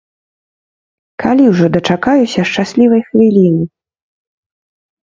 Калі ўжо дачакаюся шчаслівай хвіліны?